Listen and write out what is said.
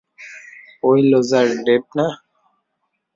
ওই loser, Dave না?